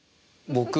僕